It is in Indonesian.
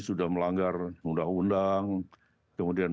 sudah melanggar undang undang kemudian